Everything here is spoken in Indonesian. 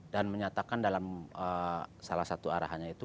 dan menyatakan dalam salah satu arahannya itu